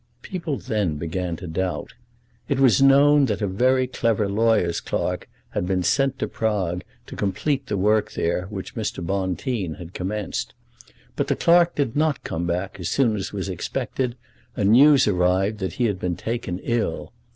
People then began to doubt. It was known that a very clever lawyer's clerk had been sent to Prague to complete the work there which Mr. Bonteen had commenced. But the clerk did not come back as soon as was expected, and news arrived that he had been taken ill.